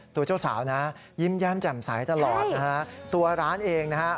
เจ้าสาวนะยิ้มแย้มแจ่มใสตลอดนะฮะตัวร้านเองนะฮะ